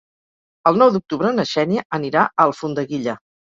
El nou d'octubre na Xènia anirà a Alfondeguilla.